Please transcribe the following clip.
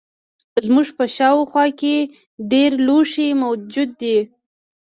زموږ په شاوخوا کې ډیر لوښي موجود دي.